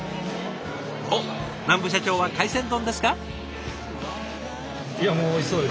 おっ南部社長は海鮮丼ですか。